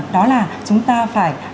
đó là chúng ta phải